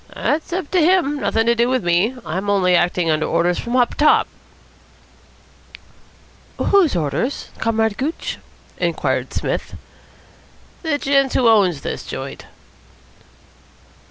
"That's up to him. Nothing to do with me. I'm only acting under orders from up top." "Whose orders, Comrade Gooch?" inquired Psmith. "The gent who owns this joint."